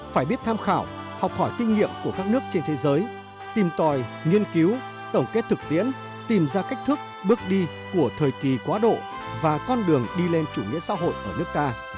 phải biết tham khảo học hỏi kinh nghiệm của các nước trên thế giới tìm tòi nghiên cứu tổng kết thực tiễn tìm ra cách thức bước đi của thời kỳ quá độ và con đường đi lên chủ nghĩa xã hội ở nước ta